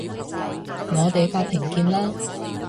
我哋法庭見啦